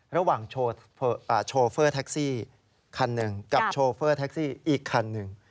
ระหว่างโชเฟอร์แท็กซี่คันหนึ่งกับโชเฟอร์แท็กซี่อีกคันหนึ่ง